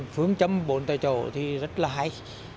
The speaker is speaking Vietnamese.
phương châm bốn tài trổ thì rất là hay